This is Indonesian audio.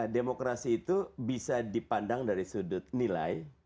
demokrasi itu bisa dipandang dari sudut nilai